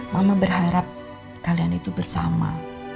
mama berharap kalian itu bersama